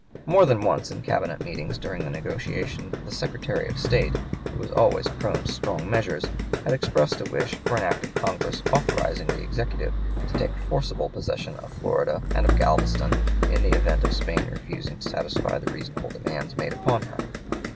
More than once in cabinet meetings during the negotiation the Secretary of State, who was always prone to strong measures, had expressed a wish for an act of Congress authorizing the Executive to take forcible possession of Florida and of Galveston in the event of Spain refusing to satisfy the reasonable demands made upon her.